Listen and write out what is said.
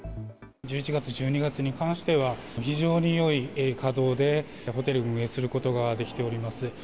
１１月、１２月に関しては、非常によい稼働で、ホテルを運営することができております。